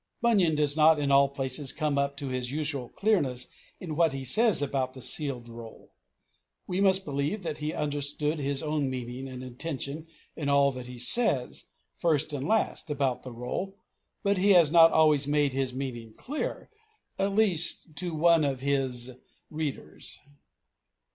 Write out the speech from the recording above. Bunyan does not in all places come up to his usual clearness in what he says about the sealed roll. We must believe that he understood his own meaning and intention in all that he says, first and last, about the roll, but he has not always made his meaning clear, at least to one of his readers.